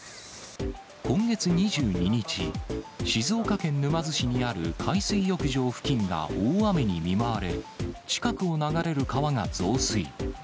今月２２日、静岡県沼津市にある海水浴場付近が大雨に見舞われ、近くを流れる川が増水。